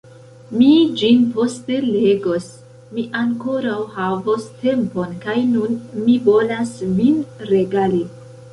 Mi ĝin poste legos, mi ankoraŭ havos tempon, kaj nun mi volas vin regali.